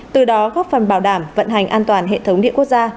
từ đó góp phần bảo đảm vận hành an toàn hệ thống điện quốc gia